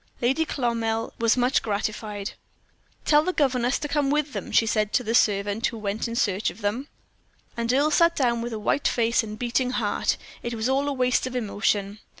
Lady Cloamell was much gratified. "Tell the governess to come with them," she said to the servant who went in search of them. And Earle sat down with a white face and beating heart. It was all a waste of emotion.